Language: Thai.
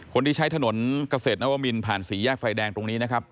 คนที่ใช้ถนนเกษตรนวมินผ่านสี่แยกไฟแดงตรงนี้นะครับ